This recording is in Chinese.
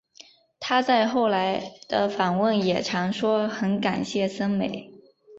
她在后来的访问也常说很感谢森美。